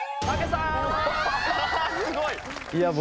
あすごい！